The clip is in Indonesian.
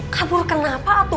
kabur kenapa tuh pak